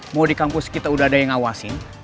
mau di kampus kita udah ada yang ngawasin